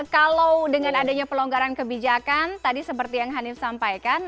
kalau dengan adanya pelonggaran kebijakan tadi seperti yang hanif sampaikan